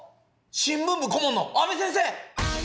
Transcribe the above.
新聞部こもんの阿部先生！